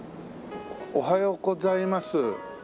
おはようございます。